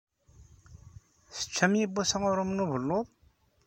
Teččam yewwas aɣṛum n ubelluḍ?